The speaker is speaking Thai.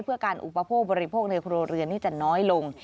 เพื่อการอุปโภคบริโภคในครัวเรือนนี่จะน้อยลง